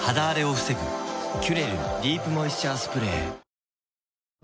「キュレルディープモイスチャースプレー」